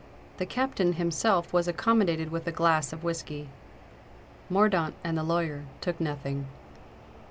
The Captain himself was accommodated with a glass of whiskey: Mordaunt and the lawyer took nothing.